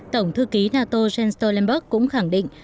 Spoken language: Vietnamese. tổng thư ký nato jens stoltenberg cũng khẳng định